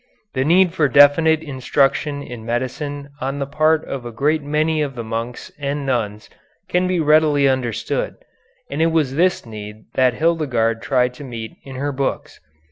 The need for definite instruction in medicine on the part of a great many of the monks and nuns can be readily understood, and it was this need that Hildegarde tried to meet in her books.